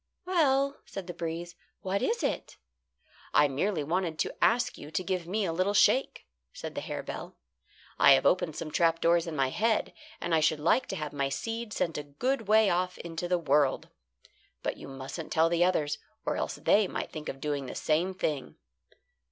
"Well," said the breeze, "what is it?" "I merely wanted to ask you to give me a little shake," said the harebell. "I have opened some trap doors in my head, and I should like to have my seed sent a good way off into the world. But you mustn't tell the others, or else they might think of doing the same thing."